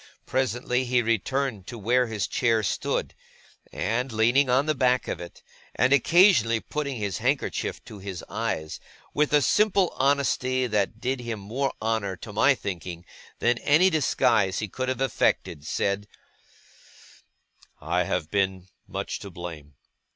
Presently he returned to where his chair stood; and, leaning on the back of it, and occasionally putting his handkerchief to his eyes, with a simple honesty that did him more honour, to my thinking, than any disguise he could have effected, said: 'I have been much to blame.